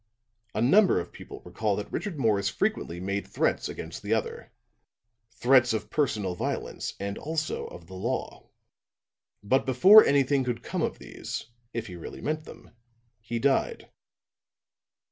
A number of people recall that Richard Morris frequently made threats against the other threats of personal violence and also of the law. But before anything could come of these, if he really meant them, he died.